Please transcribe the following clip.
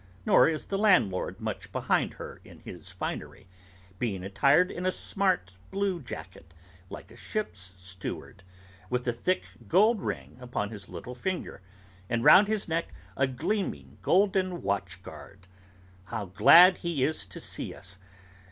Nor is the landlord much behind her in his finery, being attired in a smart blue jacket, like a ship's steward, with a thick gold ring upon his little finger, and round his neck a gleaming golden watch guard. How glad he is to see us!